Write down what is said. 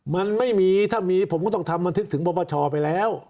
มันไม่มีถ้ามีผมก็ต้องทำบันทึกถึงปปชไปแล้ว